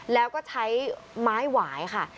แล้วก็ใช้ไม้หวายค่ะ